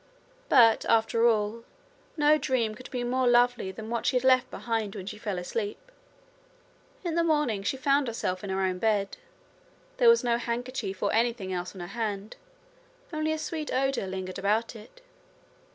But, after all, no dream could be more lovely than what she had left behind when she fell asleep. In the morning she found herself in her own bed. There was no handkerchief or anything else on her hand, only a sweet odour lingered about it.